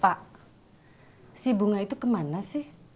pak si bunga itu kemana sih